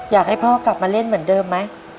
อยากให้พ่อกลับมาเล่นเหมือนเดิมไหม